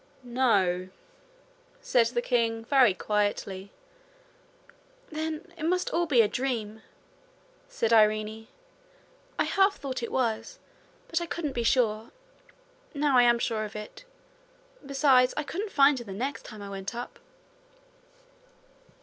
'No,' said the king, very quietly. 'Then it must all be a dream,' said Irene. 'I half thought it was; but I couldn't be sure. Now I am sure of it. Besides, I couldn't find her the next time I went up.'